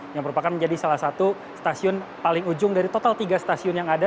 yang merupakan menjadi salah satu stasiun paling ujung dari total tiga stasiun yang ada